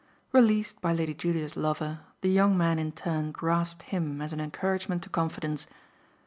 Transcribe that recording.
Released by Lady Julia's lover, the young man in turn grasped him as an encouragement to confidence.